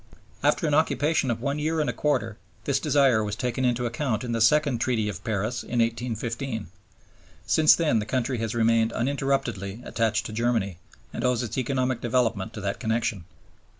After an occupation of one year and a quarter, this desire was taken into account in the second Treaty of Paris in 1815. Since then the country has remained uninterruptedly attached to Germany, and owes its economic development to that connection."